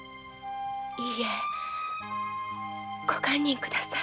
いいえご堪忍ください。